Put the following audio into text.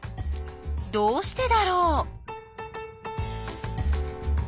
どうしてだろう？